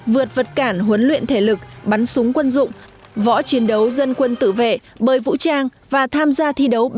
vượt vật cản huấn luyện thể lực bắn súng quân dụng võ chiến đấu dân quân tự vệ bơi vũ trang và tham gia thi đấu